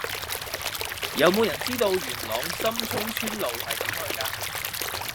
有無人知道元朗深涌村路係點去㗎